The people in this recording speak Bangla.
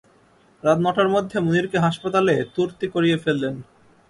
রাত নটার মধ্যে মুনিরকে হাসপাতালে তুর্তি করিয়ে ফেললেন।